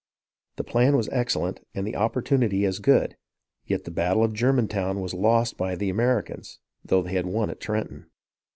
The plan was excellent and the opportunity as good ; yet the battle of Germantown was lost by the Americans, though they had won at Trenton.